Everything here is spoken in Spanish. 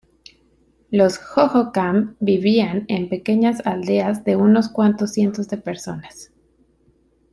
Los hohokam vivían en pequeñas aldeas de unos cuantos cientos de personas.